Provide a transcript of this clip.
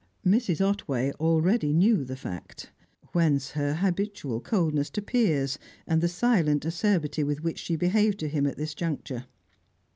Mrs. Otway already knew the fact; whence her habitual coldness to Piers, and the silent acerbity with which she behaved to him at this juncture.